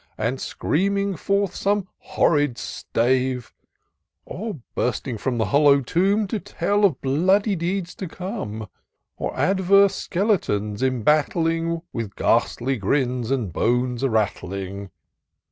And screaming forth some horrid stave ; Or bursting from the hollow tomb. To tell of bloody deeds to come ; Or adverse skeletons embattling. With ghastly grins, and bones a rattling